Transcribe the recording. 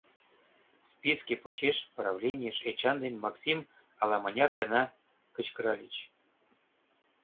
Списке почеш правленийыш Эчан ден Максим ала-мыняр гана кычкыральыч.